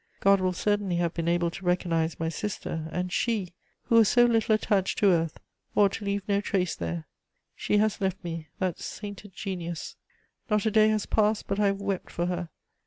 God will certainly have been able to recognise my sister; and she, who was so little attached to earth, ought to leave no trace there. She has left me, that sainted genius. Not a day has passed but I have wept for her.